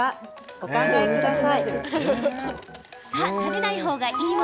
お考えください。